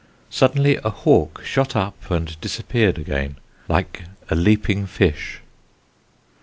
Suddenly a hawk shot up and disappeared again, like a leaping fish.